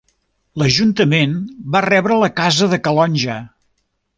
L'Ajuntament va rebre la casa de Calonge.